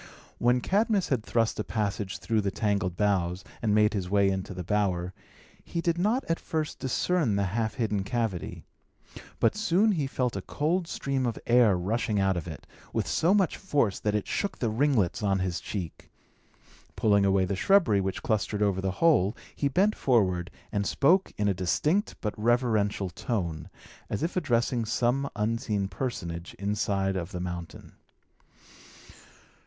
When Cadmus had thrust a passage through the tangled boughs, and made his way into the bower, he did not at first discern the half hidden cavity. But soon he felt a cold stream of air rushing out of it, with so much force that it shook the ringlets on his cheek. Pulling away the shrubbery which clustered over the hole, he bent forward, and spoke in a distinct but reverential tone, as if addressing some unseen personage inside of the mountain.